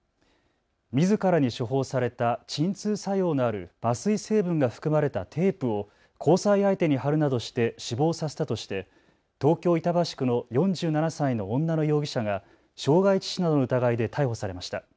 みずからに処方された鎮痛作用のある麻酔成分が含まれたテープを交際相手に貼るなどして死亡させたとして東京板橋区の４７歳の女の容疑者が傷害致死などの疑いで逮捕されました。